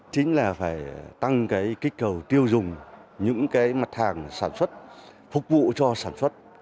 chính là phải tăng cái kích cầu tiêu dùng những cái mặt hàng sản xuất phục vụ cho sản xuất